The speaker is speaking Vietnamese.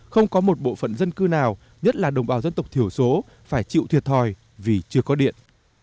không có một bộ phận dân cư nào nhất là đồng bào dân tộc thiểu số phải chịu thiệt thòi vì chưa có điện